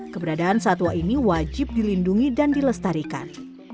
keberadaan satwa ini wajib dilindungi dan dilestarikan